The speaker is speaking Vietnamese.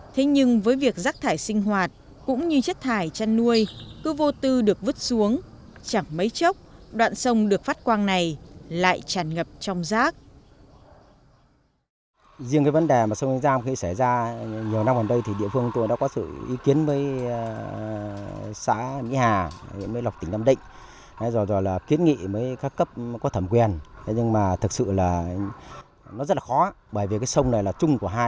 thế nhưng với việc rác thải sinh hoạt cũng như chất thải chăn nuôi cứ vô tư được phát quang này lại tràn ngập trong rác